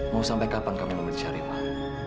mau sampai kapan kamu akan mencari pak